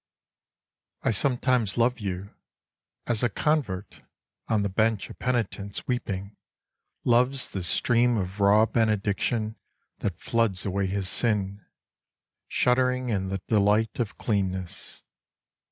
LOVE LYRIC. I SOMETIMES love you as a convert, on the bench of *■ penitents weeping, loves the stream of raw benediction that floods away his sin, shuddering in the delight of clean ness.